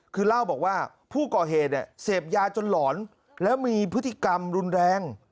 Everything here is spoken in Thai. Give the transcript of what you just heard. คือเล่าบอกว่าผู้ก่อเหตุเสพยาจนหลอนแล้วมีพฤติกรรมรุนแรง